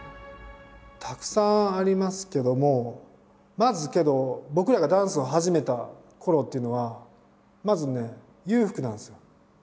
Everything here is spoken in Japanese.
たくさんありますけどもまずけど僕らがダンスを始めたころっていうのはまずね裕福なんですよ。